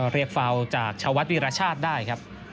เรียกฟาวจากเฉาวัดวิรัชชาติได้ครับ